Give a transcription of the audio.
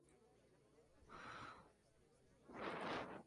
Aunque sobre esto hay opiniones diversas.